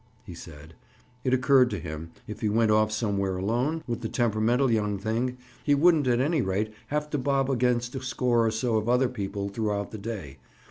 he said. It occurred to him, if he went off somewhere alone, with the temperamental young thing, he wouldn't, at any rate, have to bob against a score or so of other people throughout the day.